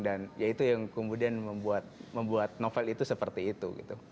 dan ya itu yang kemudian membuat novel itu seperti itu gitu